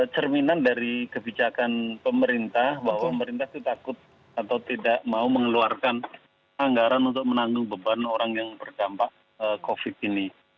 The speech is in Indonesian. cerminan dari kebijakan pemerintah bahwa pemerintah itu takut atau tidak mau mengeluarkan anggaran untuk menanggung beban orang yang berdampak covid ini